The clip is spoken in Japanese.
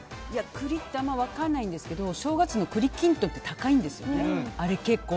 栗ってあんま分からないんですけど正月の栗きんとんって高いんですよね。